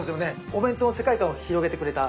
お弁当の世界観を広げてくれた。